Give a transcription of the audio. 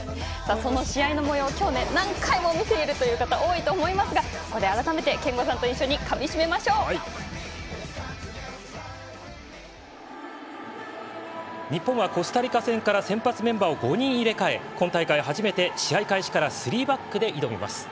その試合のもよう今日何回も見ているという方多いと思いますがここで改めて憲剛さんと一緒に日本はコスタリカ戦から先発メンバーを５人入れ替え今大会初めて試合開始からスリーバックで挑みます。